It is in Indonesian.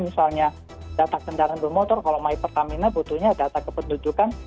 misalnya data kendaraan bermotor kalau my pertamina butuhnya data kependudukan